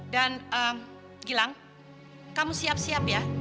dan gilang kamu siap siap ya